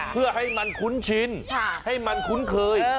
เพื่อให้มันคุ้นชินให้มันคุ้นเคย